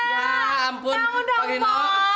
ya ampun pak gino